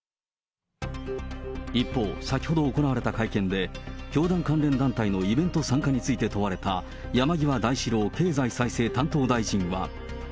一方、先ほど行われた会見で、教団関連団体のイベント参加について問われた、山際大志郎経済再生担当大臣は。